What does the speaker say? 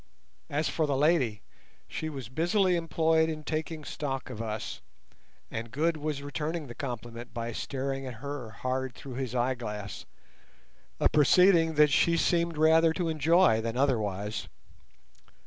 As for the lady, she was busily employed in taking stock of us, and Good was returning the compliment by staring at her hard through his eyeglass, a proceeding that she seemed rather to enjoy than otherwise.